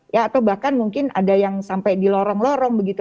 ya atau bahkan mungkin ada yang sampai di lorong lorong begitu